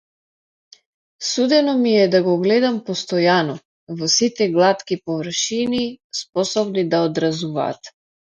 Судено ми е да го гледам постојано, во сите глатки површини способни да одразуваат.